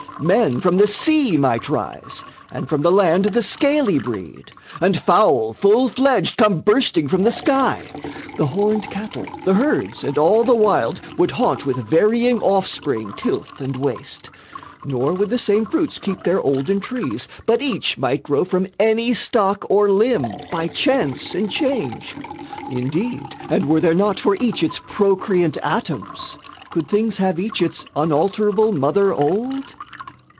Men from the sea Might rise, and from the land the scaly breed, And, fowl full fledged come bursting from the sky; The horned cattle, the herds and all the wild Would haunt with varying offspring tilth and waste; Nor would the same fruits keep their olden trees, But each might grow from any stock or limb By chance and change. Indeed, and were there not For each its procreant atoms, could things have Each its unalterable mother old?